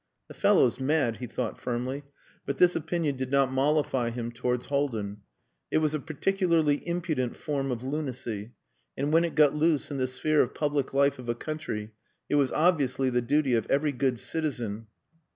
"The fellow's mad," he thought firmly, but this opinion did not mollify him towards Haldin. It was a particularly impudent form of lunacy and when it got loose in the sphere of public life of a country, it was obviously the duty of every good citizen....